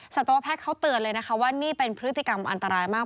สัตวแพทย์เขาเตือนเลยนะคะว่านี่เป็นพฤติกรรมอันตรายมาก